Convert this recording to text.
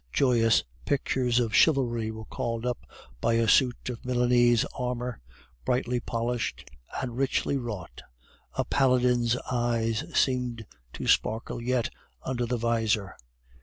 Joyous pictures of chivalry were called up by a suit of Milanese armor, brightly polished and richly wrought; a paladin's eyes seemed to sparkle yet under the visor.